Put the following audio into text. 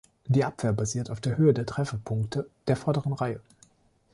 Die Abwehr basiert auf der Höhe der Trefferpunkte der vorderen Reihe.